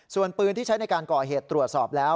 ส่วนปืนที่ใช้ในการก่อเหตุตรวจสอบแล้ว